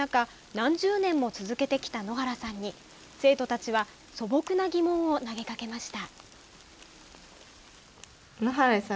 何十年も続けてきた野原さんに生徒たちは素朴な疑問を投げかけました。